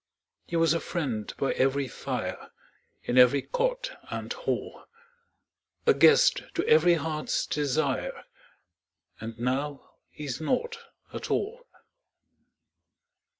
He was a friend by every fire, In every cot and hall A guest to every heart's desire, And now he's nought at all.